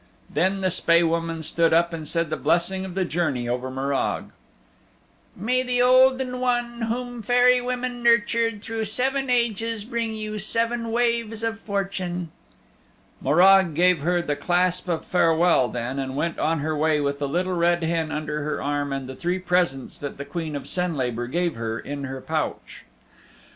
Then the Spae Woman stood up and said the blessing of the journey over Morag: May the Olden One, whom Fairy Women nurtured Through seven ages, Bring you seven Waves of fortune. Morag gave her the clasp of farewell then, and went on her way with the Little Red Hen under her arm and the three presents that the Queen of Senlabor gave her in her pouch.